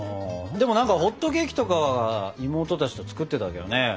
でも何かホットケーキとか妹たちと作ってたけどね。